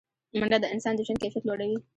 منډه د انسان د ژوند کیفیت لوړوي